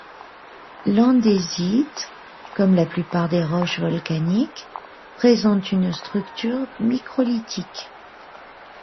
L'andésite, comme la plupart des roches volcaniques, présente une structure microlitique.